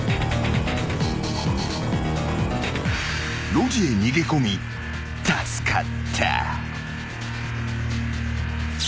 ［路地へ逃げ込み助かった］